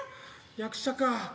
役者か。